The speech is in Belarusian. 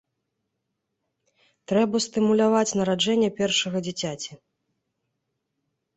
Трэба стымуляваць нараджэнне першага дзіцяці.